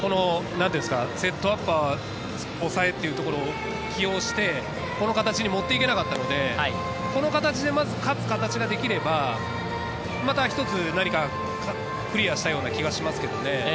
セットアッパー、抑えというところを起用して、この形に持って行けなかったので、この形でまず勝つ形ができれば、また一つ何かクリアしたような気がしますけどね。